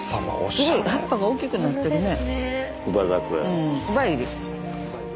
すごい葉っぱが大きくなってるね。